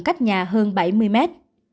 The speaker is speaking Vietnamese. cách nhà hơn bảy mươi mét